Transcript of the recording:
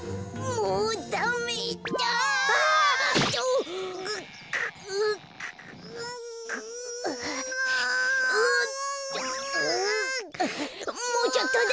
もうちょっとだ。